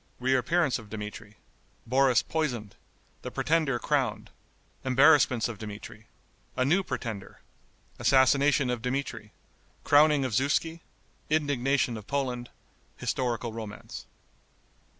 Reappearance of Dmitri. Boris Poisoned. The Pretender Crowned. Embarrassments of Dmitri. A New Pretender. Assassination of Dmitri. Crowning of Zuski. Indignation of Poland. Historical Romance.